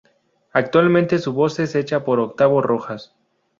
Actualmente su voz es hecha por octavo rojas.